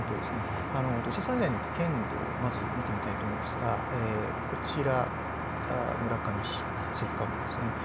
土砂災害の危険度をまず見ていきたいと思いますがこちら、村上市関川村です。